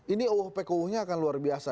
ini pkuu nya akan luar biasa